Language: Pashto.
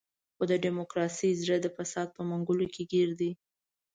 خو د ډیموکراسۍ زړه د فساد په منګولو کې ګیر دی.